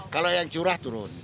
kalau yang curah turun